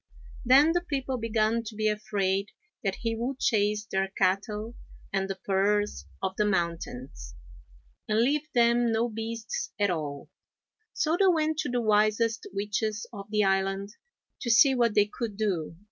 Then the people began to be afraid that he would chase their cattle and the purrs of the mountains, and leave them no beasts at all, so they went to the wisest witches of the island, to see what they could do.